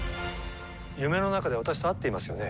夢の中で、私と会ってますよね。